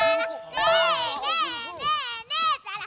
ねえねえねえねえったら！